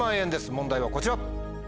問題はこちら！